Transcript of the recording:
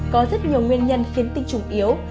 có rất nhiều nguyên nhân khiến tinh trùng yếu